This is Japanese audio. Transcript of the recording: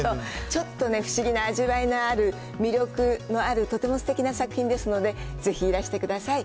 ちょっとね、不思議な味わいのある魅力のある、とてもすてきな作品ですので、ぜひいらしてください。